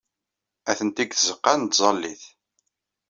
Atenti deg tzeɣɣa n tẓallit.